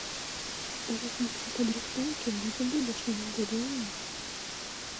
У развіцці падрыхтоўкі будзе будучыня, будзе вынік.